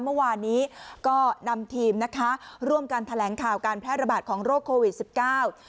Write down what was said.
เมื่อวานนี้ก็นำทีมนะคะร่วมกันแถลงข่าวการแพร่ระบาดของโรคโควิดสิบเก้า